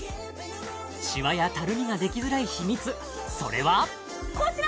シワやたるみができづらい秘密それはこちら！